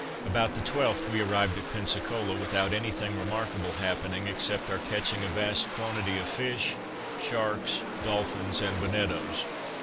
About the 12th we arrived at Pensacola, without any thing remarkable happening except our catching a vast quantity of fish, sharks, dolphins, and bonettos.